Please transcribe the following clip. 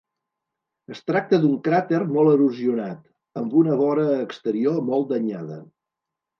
Es tracta d'un cràter molt erosionat, amb una vora exterior molt danyada.